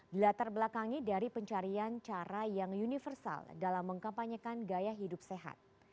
dilatar belakangi dari pencarian cara yang universal dalam mengkampanyekan gaya hidup sehat